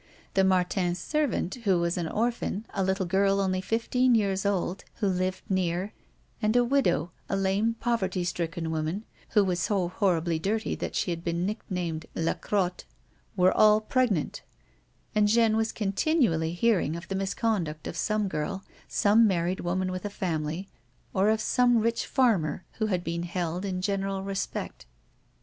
The Martins' servant, who was an orphan, a little girl only fifteen years old, who lived near, and a widow, a lame, poverty stricken woman who was so horribly dirty that she had been nicknamed La Crotte, were all pregnant ; and Jeanne was continiially hearing of the misconduct of some girl, some married woman with a family, or of some rich farmer wlio had been held in general re spect.